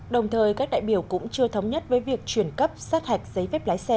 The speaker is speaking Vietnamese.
đồng thời các đại biểu cũng chưa thống nhất với việc chuyển cấp sát hạch giấy phép lái xe